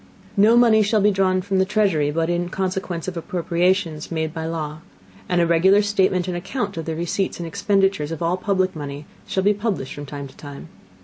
No Money shall be drawn from the Treasury, but in Consequence of Appropriations made by Law; and a regular Statement and Account of the Receipts and Expenditures of all public Money shall be published from time to time.